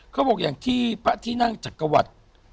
เค้าบอกอย่างที่พระที่นั่งจากกระหวัด